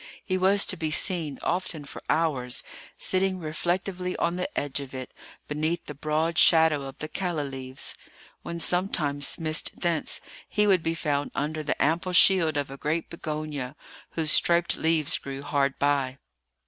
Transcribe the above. He was to be seen, often for hours, sitting reflectively on the edge of it, beneath the broad shadow of the calla leaves. When sometimes missed thence, he would be found under the ample shield of a great bignonia, whose striped leaves grew hard by.